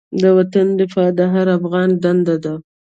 د وطن دفاع د هر افغان دنده ده.